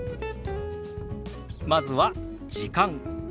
まずは「時間」。